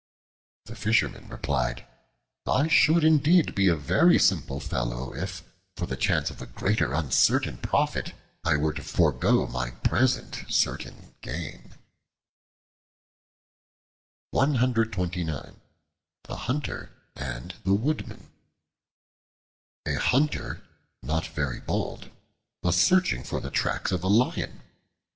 The Fisherman replied, "I should indeed be a very simple fellow if, for the chance of a greater uncertain profit, I were to forego my present certain gain." The Hunter and the Woodman A HUNTER, not very bold, was searching for the tracks of a Lion.